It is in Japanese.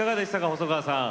細川さん。